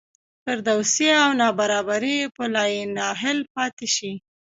فرودستي او نابرابري به لاینحل پاتې شي.